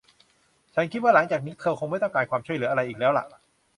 ฉันคิดว่าหลังจากนี้เธอคงไม่ต้องการความช่วยเหลืออะไรอีกแล้วล่ะ